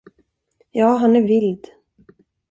Ja, han är vild.